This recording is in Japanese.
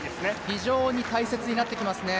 非常に大切になってきますね。